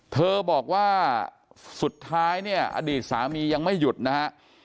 เธอบอกว่าสุดท้ายเนี่ยอดีตสามียังไม่หยุดนะฮะ